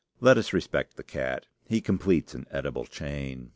Let us respect the cat: he completes an edible chain.